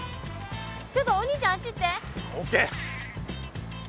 ちょっとお兄ちゃんあっち行って。